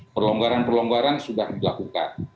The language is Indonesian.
perlonggaran perlonggaran sudah dilakukan